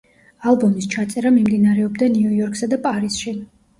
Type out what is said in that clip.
ალბომის ჩაწერა მიმდინარეობდა ნიუ-იორკსა და პარიზში.